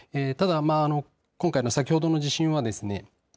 ただ今回の先ほどの地震はですね